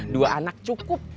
dua anak cukup